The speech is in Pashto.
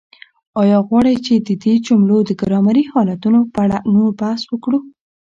آیا غواړئ چې د دې جملو د ګرامري حالتونو په اړه نور بحث وکړو؟